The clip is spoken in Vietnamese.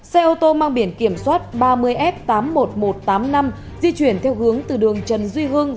xe ô tô mang biển kiểm soát ba mươi f tám mươi một nghìn một trăm tám mươi năm di chuyển theo hướng từ đường trần duy hưng